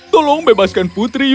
tolong bebaskan putihmu